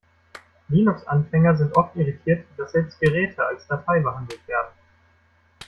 Linux-Anfänger sind oft irritiert, dass selbst Geräte als Datei behandelt werden.